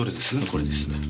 これです。